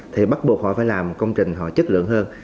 thì bắt buộc họ phải làm công trình họ chất lượng hơn